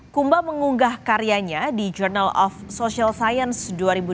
kumba mengunggah karyanya di journal of social science dua ribu delapan belas